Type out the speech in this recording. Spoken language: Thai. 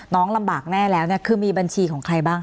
ลำบากแน่แล้วคือมีบัญชีของใครบ้าง